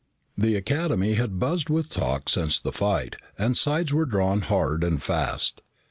The Academy had buzzed with talk since the fight, and sides were drawn hard and fast.